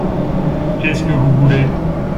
Qu’est-ce que vous voulez ?